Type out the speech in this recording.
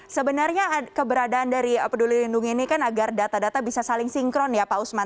sebenarnya keberadaan dari peduli lindungi ini kan agar data data bisa saling sinkron ya pak usman